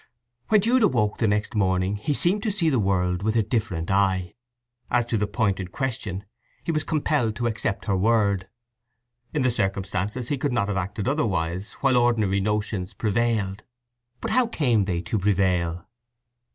When Jude awoke the next morning he seemed to see the world with a different eye. As to the point in question he was compelled to accept her word; in the circumstances he could not have acted otherwise while ordinary notions prevailed. But how came they to prevail?